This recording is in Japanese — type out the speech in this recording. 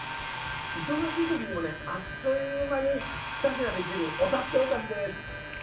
忙しい時にもねあっという間に２品できるお助けおかずです。